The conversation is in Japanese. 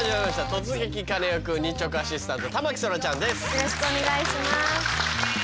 よろしくお願いします。